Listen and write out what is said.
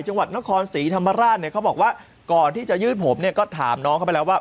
จังหวัดนครศรีธรรมราชเนี่ยเขาบอกว่าก่อนที่จะยืดผมเนี่ยก็ถามน้องเขาไปแล้วว่า